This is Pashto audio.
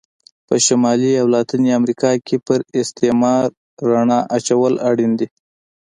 په شمالي او لاتینې امریکا کې پر استعمار رڼا اچول اړین دي.